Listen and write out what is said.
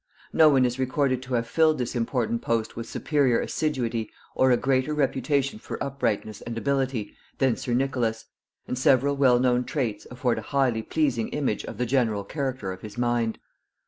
No one is recorded to have filled this important post with superior assiduity or a greater reputation for uprightness and ability than sir Nicholas, and several well known traits afford a highly pleasing image of the general character of his mind.